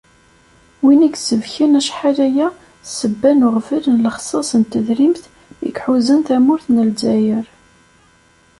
Win i isbeken acḥal aya s ssebba n uɣbel n lexṣaṣ n tedrimt i iḥuzan tamurt n Lezzayer.